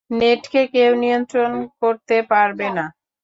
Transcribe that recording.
নেটকে কেউ নিয়ন্ত্রণ করতে পারবে না!